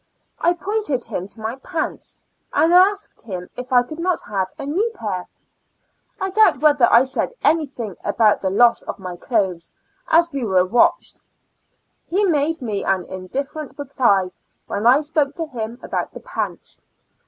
I pointed him to my pants, and asked him if I could not have a new pair. I doubt whether I said anything about the loss of my clothes, as we were watched. He made me an indifferent reply when I spoke to him about the pants.